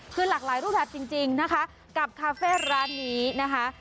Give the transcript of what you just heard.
คือหลากหลายรูปแบบจริงนะคะกับคาเฟ่ร้านนี้นะคะ